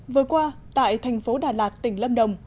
vừa qua tại thành phố đà lạt tỉnh lâm đồng